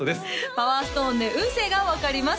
パワーストーンで運勢が分かります